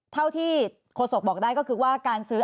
เท่าที่โฆษกบอกได้ก็คือว่าการซื้อ